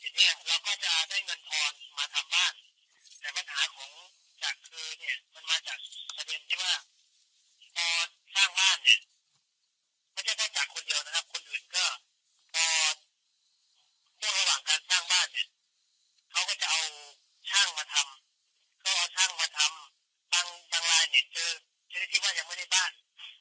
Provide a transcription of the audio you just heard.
ทีนี้เราก็จะได้เงินทอนมาทำบ้านแต่ปัญหาของจากคือเนี่ยมันมาจากประเด็นที่ว่าพอสร้างบ้านเนี่ยไม่ใช่แค่จากคนเดียวนะครับคนอื่นก็พอช่วงระหว่างการสร้างบ้านเสร็จเขาก็จะเอาช่างมาทำเขาเอาช่างมาทำบางลายเนี่ยเจอชนิดที่ว่ายังไม่ได้บ้าน